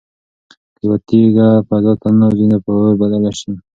که یوه تیږه فضا ته ننوځي نو په اور بدله شي.